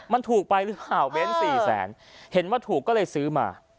มันถูกไปหรือเปล่าเบ้น๔แสนเห็นว่าถูกก็เลยซื้อมา